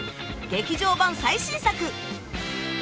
劇場版最新作。